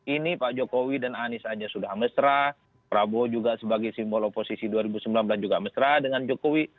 ini pak jokowi dan anies aja sudah mesra prabowo juga sebagai simbol oposisi dua ribu sembilan belas juga mesra dengan jokowi